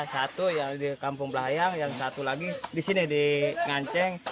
satu ya di kampung belayang yang satu lagi di sini di nganceng